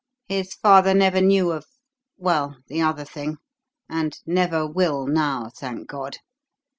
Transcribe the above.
His father never knew of well, the other thing; and never will now, thank God.